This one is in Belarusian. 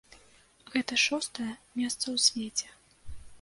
Гэта шостае месца ў свеце.